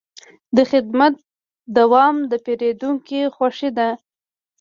د خدمت دوام د پیرودونکي خوښي ده.